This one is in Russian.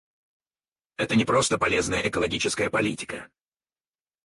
Это не просто полезная экологическая политика.